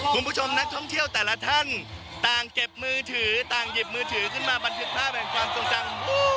คุณผู้ชมนักท่องเที่ยวแต่ละท่านต่างเก็บมือถือต่างหยิบมือถือขึ้นมาบันทึกภาพแห่งความทรงจำ